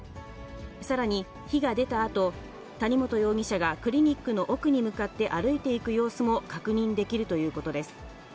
さらに、火が出たあと、谷本容疑者がクリニックの奥に向かって歩いていく様子も確認できるということです。